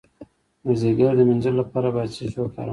د ځیګر د مینځلو لپاره باید څه شی وکاروم؟